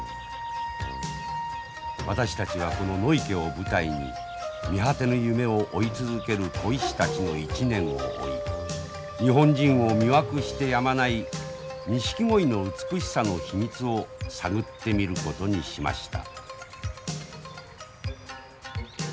私たちはこの野池を舞台に見果てぬ夢を追い続ける鯉師たちの一年を追い日本人を魅惑してやまないニシキゴイの美しさの秘密を探ってみることにしました。